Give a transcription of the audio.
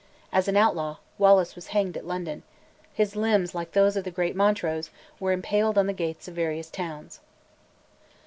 As an outlaw, Wallace was hanged at London; his limbs, like those of the great Montrose, were impaled on the gates of various towns.